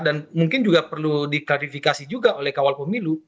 dan mungkin juga perlu diklarifikasi juga oleh kawal pemilu